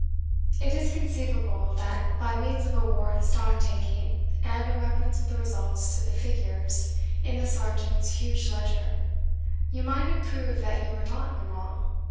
It is conceivable that by means of a ward stocktaking and a reference of the results to the figures in the sergeant's huge ledger, you might have proved that you were not in the wrong.